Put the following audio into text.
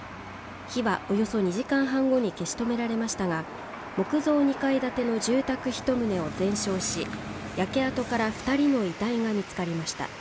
火はおよそ２時間半後に消し止められましたが、木造２階建ての住宅１棟を全焼し焼け跡から２人の遺体が見つかりました。